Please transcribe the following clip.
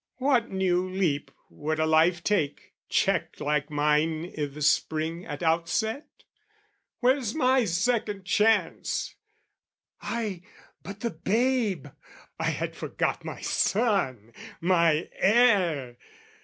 What new leap would a life take, checked like mine I' the spring at outset? Where's my second chance? Ay, but the babe...I had forgot my son, My heir!